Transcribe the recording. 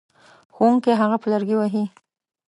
ښوونکی هغه په لرګي وهي.